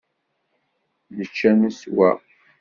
Nečča neswa.